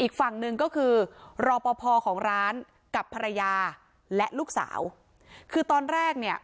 อีกฝั่งหนึ่งก็คือรอปภของร้านกับภรรยาและลูกสาวคือตอนแรกเนี่ย